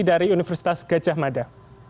dari universitas gejah mada